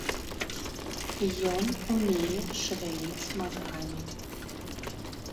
Ён умее шавяліць мазгамі.